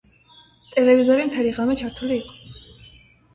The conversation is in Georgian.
ტელევიზორი მთელი ღამე ჩართული იყო.